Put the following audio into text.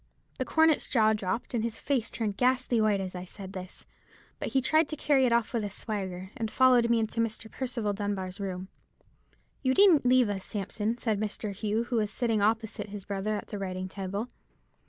"The cornet's jaw dropped, and his face turned ghastly white as I said this; but he tried to carry it off with a swagger, and followed me into Mr. Percival Dunbar's room. "'You needn't leave us, Sampson,' said Mr. Hugh, who was sitting opposite his brother at the writing table.